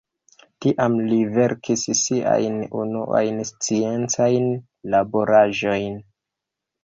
Tiam li verkis siajn unuajn sciencajn laboraĵojn.